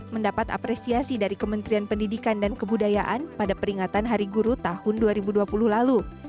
mendapat apresiasi dari kementerian pendidikan dan kebudayaan pada peringatan hari guru tahun dua ribu dua puluh lalu